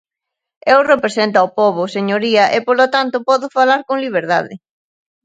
Eu represento ao pobo, señoría, e, polo tanto, podo falar con liberdade.